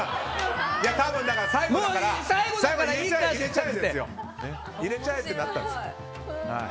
多分、最後だから入れちゃえってなったんですよ。